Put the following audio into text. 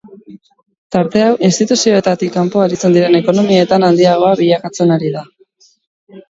Tarte hau instituzioetatik kanpo aritzen diren ekonomietan handiagoa bilakatzen ari da.